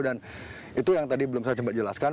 dan itu yang tadi belum saya coba jelaskan